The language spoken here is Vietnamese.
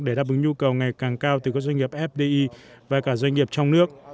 để đáp ứng nhu cầu ngày càng cao từ các doanh nghiệp fdi và cả doanh nghiệp trong nước